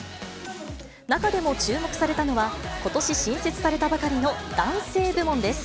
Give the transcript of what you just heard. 中でも注目されたのは、ことし新設されたばかりの男性部門です。